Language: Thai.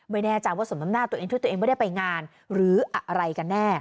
ไม่แน่ใจว่าสมน้ำหน้าตัวเองด้วยตัวเองไม่ได้ไปงานหรืออะไรกันแน่